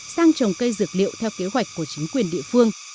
sang trồng cây dược liệu theo kế hoạch của chính quyền địa phương